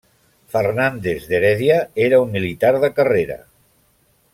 Fernández d'Heredia era un militar de carrera.